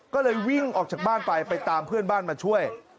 ก็เลยวิ่งออกจากบ้านไปไปตามเพื่อนบ้านมาช่วย